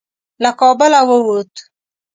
له کابله ووت.